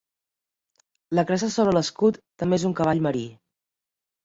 La cresta sobre l'escut també és un cavall marí.